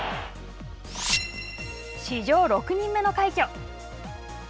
史上６人目の快挙。